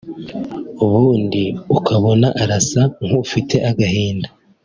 ubundi ukabona arasa nk’ufite agahinda